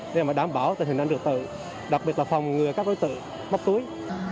để đảm bảo tình hình an ninh trật tự đặc biệt là phòng người các đối tượng móc túi